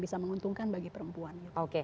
bisa menguntungkan bagi perempuan